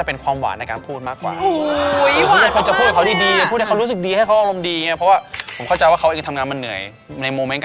เห็นแต่คนรูปรู้สึกว่าความดันขึ้นแล้วเนี่ย